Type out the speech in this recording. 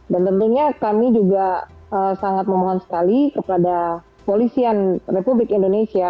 tentunya kami juga sangat memohon sekali kepada polisian republik indonesia